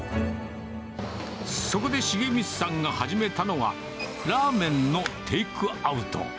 そこで重光さんが始めたのが、ラーメンのテイクアウト。